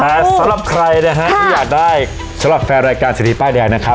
แต่สำหรับใครนะฮะที่อยากได้สำหรับแฟนรายการเศรษฐีป้ายแดงนะครับ